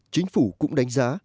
chính phủ cũng đánh giá